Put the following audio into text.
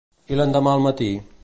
I l'endemà al matí?